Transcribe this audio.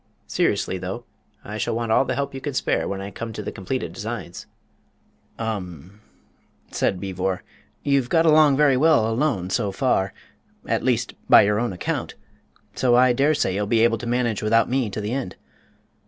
Seriously, though, I shall want all the help you can spare when I come to the completed designs." "'Um," said Beevor, "you've got along very well alone so far at least, by your own account; so I dare say you'll be able to manage without me to the end.